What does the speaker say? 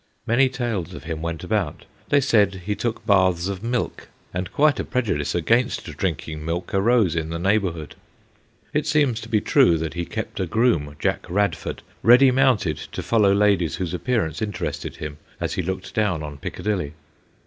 Many tales of him went about. They said he took baths of milk, and quite a prejudice against drinking milk arose in the neighbourhood. It seems to be true that he kept a groom, Jack Radford, ready mounted to follow ladies whose ap pearance interested him as he looked down on Piccadilly.